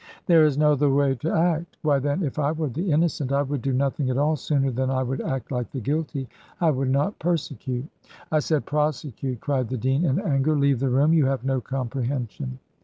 "There is no other way to act." "Why, then, if I were the innocent, I would do nothing at all sooner than I would act like the guilty. I would not persecute " "I said prosecute," cried the dean in anger. "Leave the room; you have no comprehension."